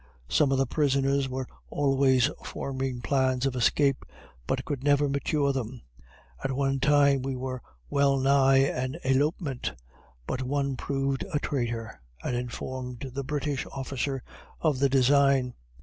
Some of the prisoners were always forming plans of escape, but could never mature them. At one time we were well nigh an elopement, but one proved a traitor, and informed the British officer of the design.